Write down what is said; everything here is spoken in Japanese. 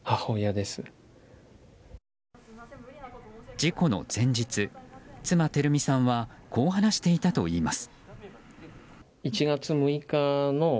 事故の前日、妻・照美さんはこう話していたといいます。